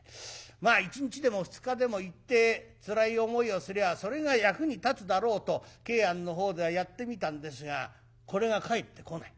まあ一日でも二日でも行ってつらい思いをすりゃそれが役に立つだろうと桂庵のほうではやってみたんですがこれが帰ってこない。